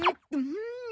うん！